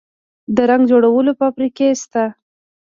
د رنګ جوړولو فابریکې شته